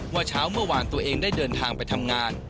ว่าเช้าเมื่อวานตัวเองได้เดินทางไปทำงาน